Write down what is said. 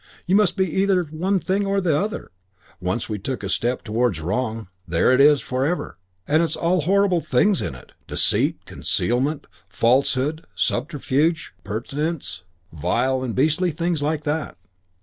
You must be either one thing or the other. Once we took a step towards wrong, there it is for ever, and all its horrible things with it deceit, concealment, falsehood, subterfuge, pretence: vile and beastly things like that.